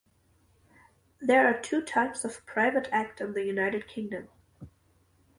There are two types of private Act in the United Kingdom.